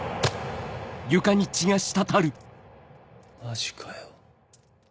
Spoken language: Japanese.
マジかよ